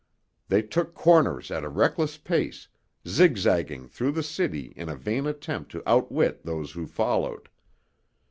They took corners at a reckless pace, zigzagging through the city in a vain attempt to outwit those who followed.